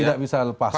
tidak bisa lepas